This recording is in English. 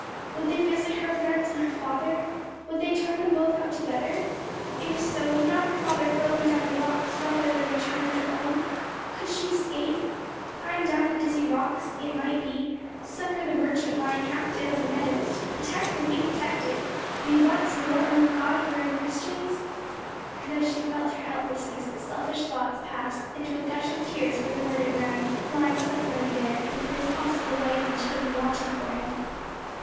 Would they visit her offence on her father? Would they turn them both out together? If so, would not her father hurl her down the rocks rather than return her to Ulm? Could she escape? Climb down the dizzy rocks, it might be, succour the merchant lying half dead on the meadows, protect and be protected, be once more among God fearing Christians? And as she felt her helplessness, the selfish thoughts passed into a gush of tears for the murdered man, lying suffering there, and for his possible wife and children watching for him.